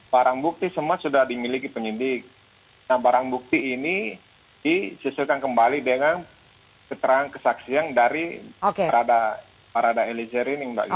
barang bukti semua sudah dimiliki penyidik nah barang bukti ini disesuaikan kembali dengan keterangan kesaksian dari parada eliezer ini